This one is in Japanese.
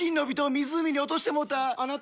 湖に落としてもうた！